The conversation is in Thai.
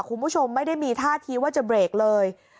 คุณผู้ชมไม่ได้มีท่าทีว่าจะเบรกเลย